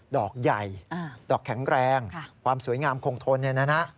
ดอกใหญ่ดอกแข็งแรงความสวยงามคงทน